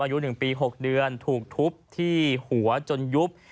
อายุ๑ปี๖เดือนถูกทุบที่หัวจนยุบ